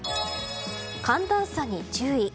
寒暖差に注意。